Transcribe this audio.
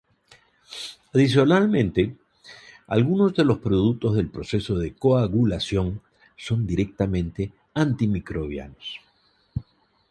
Adicionalmente, algunos de los productos del proceso de coagulación son directamente antimicrobianos.